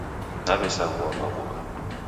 Daw'esaghua maghuw'a